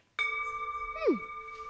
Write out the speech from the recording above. うん。